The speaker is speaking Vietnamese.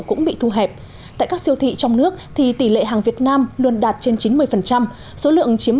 cũng bị thu hẹp tại các siêu thị trong nước thì tỷ lệ hàng việt nam luôn đạt trên chín mươi số lượng chiếm